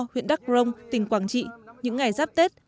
huyện đắk rông tỉnh quảng trị những ngày giáp tết